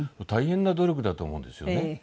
大変な努力だと思うんですよね。